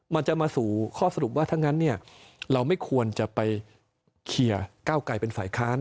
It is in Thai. มันจะมาสู่ข้อสรุปว่าถ้างั้นเราไม่ควรจะไปเคลียร์ก้าวไกลเป็นฝ่ายค้าน